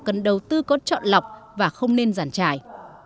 cần đầu tư có chọn lọc và không nên giàn trải